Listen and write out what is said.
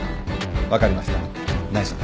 分かりました。